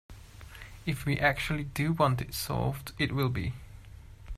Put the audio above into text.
If we actually do want it solved, it will be.